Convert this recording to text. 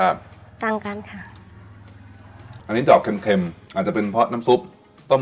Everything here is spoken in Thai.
ต่างกันแล้วทิ้นเธอนมันรสชาติต่างกันค่ะอันนี้จะออกเข็มอาจจะเป็นน้ำซุปกระดูกของเรา